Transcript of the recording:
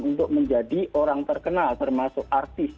untuk menjadi orang terkenal termasuk artis